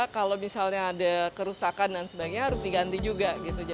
kalau misalnya ada kerusakan dan sebagainya harus diganti juga gitu